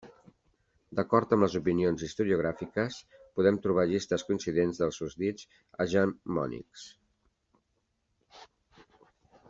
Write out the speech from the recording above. D'acord amb les opinions historiogràfiques, podem trobar llistes coincidents dels susdits hegemònics.